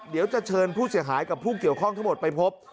เดี๋ยวจะเชิญผู้เสียหายกับผู้เกี่ยวข้องทั้งหมดไปพบ